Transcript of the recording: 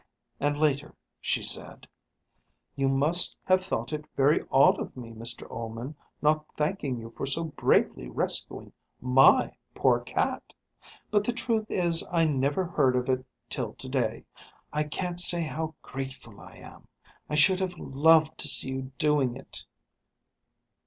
And, later, she said: "You must have thought it very odd of me, Mr Ullman, not thanking you for so bravely rescuing my poor cat; but the truth is I never heard of it till to day. I can't say how grateful I am. I should have loved to see you doing it."